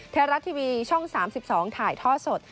ไทยรัฐทีวีช่อง๓๒ถ่ายท่อสด